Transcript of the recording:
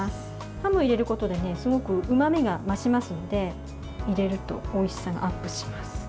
ハムを入れることですごくうまみが増しますので入れるとおいしさがアップします。